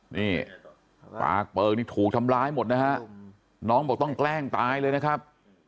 นี่ปากเปลือกนี่ถูกทำร้ายหมดนะฮะน้องบอกต้องแกล้งตายเลยนะครับ